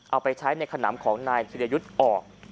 เอาไปใช้ในขนำของนายธิรยุทธ์ออก